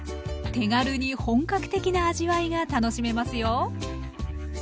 手軽に本格的な味わいが楽しめますよ。